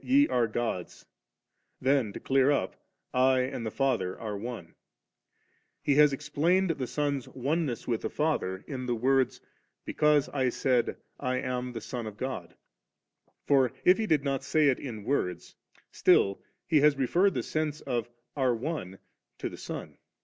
Ye are gods ;"' then to clear up * 1 and the Father are One,' He has explained the Son's oneness with the Father in the words, * Because I said, I am the Son of God' Forif He did not say it in words, still He has referred the sense of 'are One' to the Son.